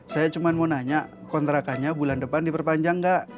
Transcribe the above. saya cuma mau nanya kontrakannya bulan depan diperpanjang nggak